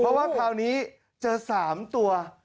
เพราะว่าคราวนี้เจอ๓ตัว